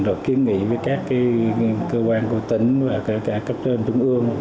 rồi kiến nghị với các cơ quan của tỉnh và kể cả cấp trên trung ương